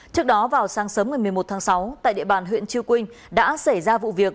trước đó vào sáng sớm ngày một mươi một tháng sáu tại địa bàn huyện chư quynh đã xảy ra vụ việc